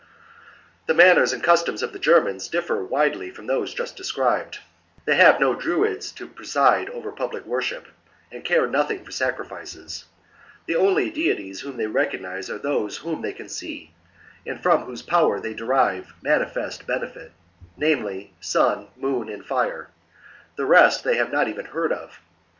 l/ 2 1. The manners and customs of the Germans differ widely from those just described. They have no Druids to preside over public worship. The German and care nothiug for sacrifices. The only deities whom they recognize ^re those whom they can see, and from whose power they derive manifest benefit, namely, Sun, Moon, and Fire : the rest they have not even heard of.